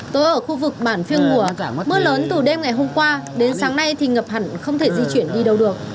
tối ở khu vực bản phiêng mùa mưa lớn từ đêm ngày hôm qua đến sáng nay thì ngập hẳn không thể di chuyển đi đâu được